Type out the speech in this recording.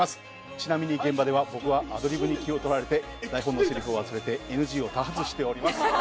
ちなみに現場では僕はアドリブに気を取られて台本のせりふを忘れてＮＧを多発しております。